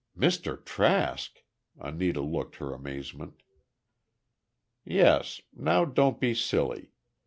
"Mr. Trask!" Anita looked her amazement. "Yes; now don't be silly.